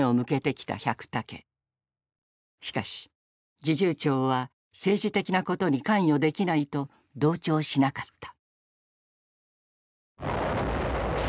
しかし侍従長は政治的なことに関与できないと同調しなかった。